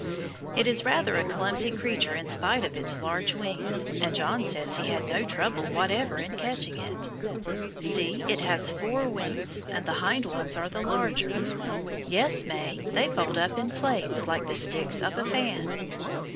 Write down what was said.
It is rather a clumsy creature in spite of its large wings, and John says he had no trouble whatever in catching it. See, it has four wings, and the hind ones are the larger. Yes, May, they fold up in plaits, like the sticks of a fan.